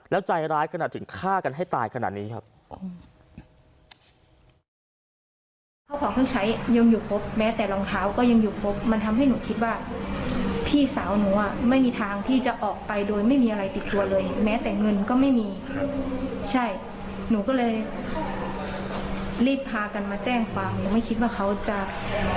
แล้วใจร้ายขนาดถึงฆ่ากันให้ตายขนาดนี้ครับ